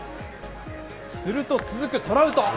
すると続くトラウト。